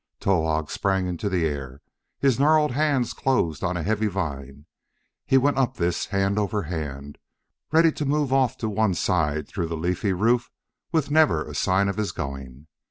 Towahg sprang into the air; his gnarled hands closed on a heavy vine: he went up this hand over hand, ready to move off to one side through the leafy roof with never a sign of his going.